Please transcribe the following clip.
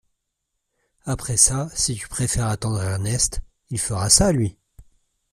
Après ça, si tu préfères attendre Ernest… il fera ça, lui !